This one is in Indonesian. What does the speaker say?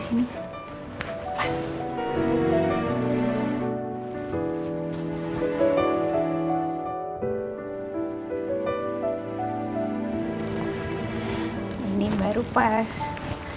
kamu ada ada aisy